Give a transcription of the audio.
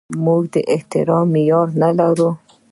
موږ د احترام معیار نه لرو.